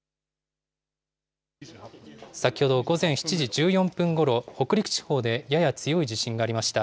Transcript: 先ほど午前７時１４分ごろ、北陸地方でやや強い地震がありました。